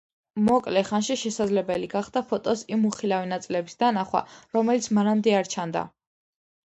მოკლე ხანში შესაძლებელი გახდა ფოტოს იმ უხილავი ნაწილების დანახვა, რომელიც მანამდე არ ჩანდა.